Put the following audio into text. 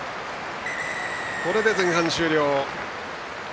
これで前半終了。